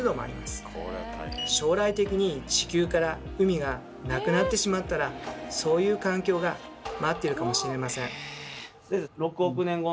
将来的に地球から海がなくなってしまったらそういう環境が待っているかもしれません。